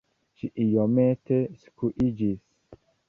Ŝi iomete skuiĝis.